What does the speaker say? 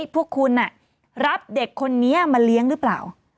พวกคุณรับเด็กคนนี้มาเลี้ยงหรือเปล่า